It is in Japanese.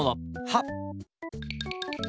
はっ！